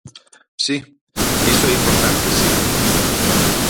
Si, iso é importante si.